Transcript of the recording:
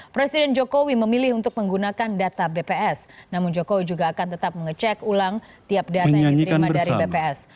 presiden jokowi memilih untuk menggunakan data bps namun jokowi juga akan tetap mengecek ulang tiap data yang diterima dari bps